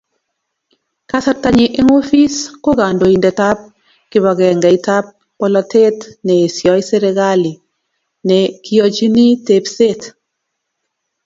Kasartanyi eng ofis ko kandoindetab kibagengeitab polatet ne eesoi serikali ne keyochini tepseet.